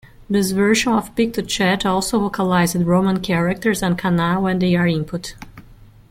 This version of PictoChat also vocalized roman characters and kana when they are input.